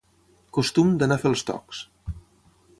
Costum d'"anar a fer els tocs".